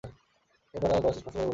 কেহ তাহার বয়স স্পষ্ট করিয়া বলিত না।